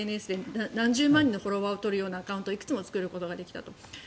ＳＮＳで何十万人のフォロワーを取るようなアカウントをいくつも作ることができたと。